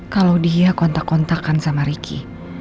kalau dia kontak kontakan sama ricky